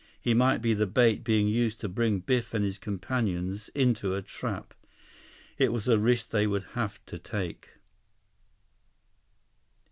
He might be the bait being used to bring Biff and his companions into a trap. It was a risk they would have to take.